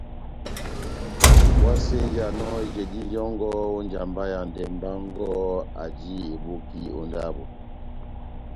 Ohásenjanɔ ijedi vyɔngɔ ó njamba ya ndɛmbɛ wɔngɔ aji eboki ó ndabo.